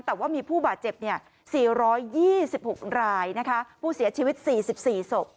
แต่ว่ามีผู้บาดเจ็บ๔๒๖รายนะคะผู้เสียชีวิต๔๔ศพ